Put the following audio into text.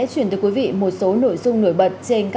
xin mời nam hảo